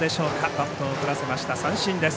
バットを振らせました、三振です。